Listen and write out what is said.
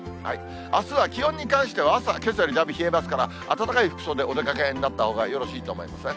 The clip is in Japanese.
あすは気温に関しては朝、けさよりだいぶ冷えますから、暖かい服装でお出かけになったほうがよろしいと思いますね。